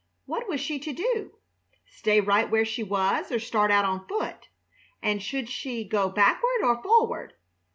What was she to do? Stay right where she was or start out on foot? And should she go backward or forward?